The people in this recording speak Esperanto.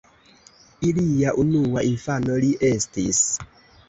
Ilia unua infano li estis.